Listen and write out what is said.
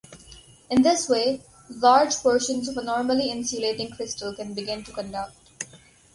In this way, large portions of a normally insulating crystal can begin to conduct.